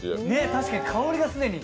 確かに香りが既に。